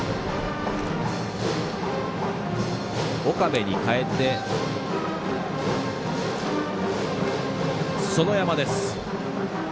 岡部に代えて園山です。